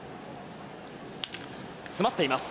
詰まっています。